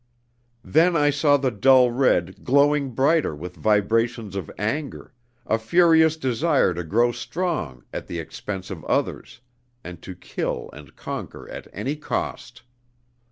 Then I saw the dull red glowing brighter with vibrations of anger, a furious desire to grow strong at the expense of others, and to kill and conquer at any cost.